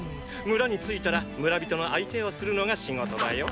村に着いたら村人の相手をするのが仕事だよ。